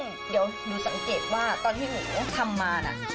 เดี๋ยวหนูสังเกตว่าตอนที่หนูทำมานะ